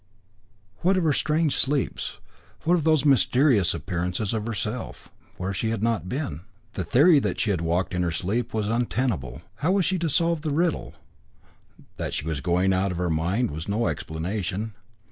What of her strange sleeps? What of those mysterious appearances of herself, where she had not been? The theory that she had walked in her sleep was untenable. How was she to solve the riddle? That she was going out of her mind was no explanation.